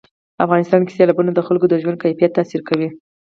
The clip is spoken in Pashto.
افغانستان کې سیلابونه د خلکو د ژوند کیفیت تاثیر کوي.